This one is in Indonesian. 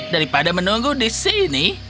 daripada menunggu di sini